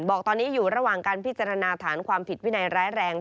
บอกตอนนี้อยู่ระหว่างการพิจารณาฐานความผิดวินัยร้ายแรง